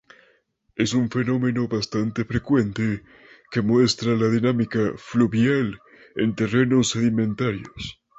Es un fenómeno bastante frecuente que muestra la dinámica fluvial en terrenos sedimentarios.